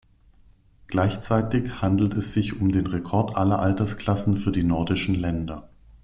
Gleichzeitig handelte es sich um den Rekord aller Altersklassen für die nordischen Länder.